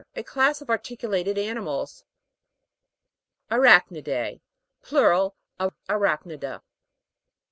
A class of articulated animals. ARACH'NID^E. Plural of arachriida.